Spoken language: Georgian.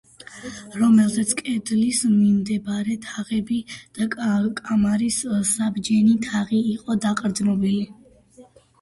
რომელზეც კედლის მიმდებარე თაღები და კამარის საბჯენი თაღი იყო დაყრდნობილი.